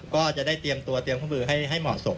ก็จะได้เตรียมตัวเตรียมเครื่องมือให้เหมาะสม